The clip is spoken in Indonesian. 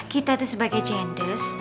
kita tuh sebagai jandes